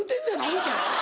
思うたよ。